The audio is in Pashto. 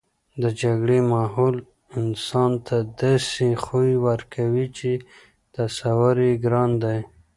د جګړې ماحول انسان ته داسې خوی ورکوي چې تصور یې ګران دی